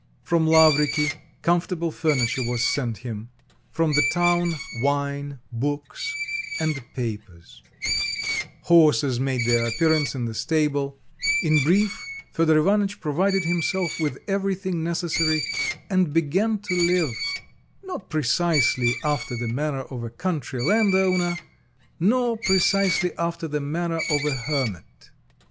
From Lavriky comfortable furniture was sent him; from the town, wine, books, and papers; horses made their appearance in the stable; in brief Fedor Ivanitch provided himself with everything necessary and began to live not precisely after the manner of a country landowner, nor precisely after the manner of a hermit.